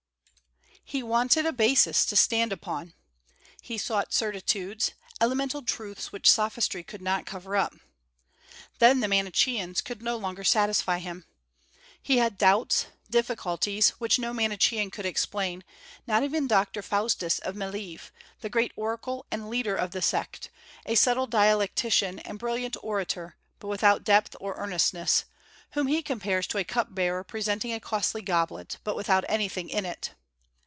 He wanted a basis to stand upon. He sought certitudes, elemental truths which sophistry could not cover up. Then the Manicheans could no longer satisfy him. He had doubts, difficulties, which no Manichean could explain, not even Dr. Faustus of Mileve, the great oracle and leader of the sect, a subtle dialectician and brilliant orator, but without depth or earnestness, whom he compares to a cup bearer presenting a costly goblet, but without anything in it.